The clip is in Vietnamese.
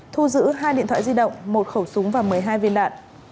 thu giữ hai điện thoại di động một khẩu súng và một mươi hai viên đạn